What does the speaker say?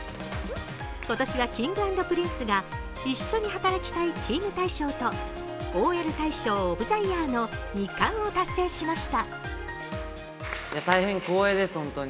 今年はＫｉｎｇ＆Ｐｒｉｎｃｅが、一緒に働きたいチーム大賞と、ＯＬ大賞オブザイヤーの２冠を達成しました。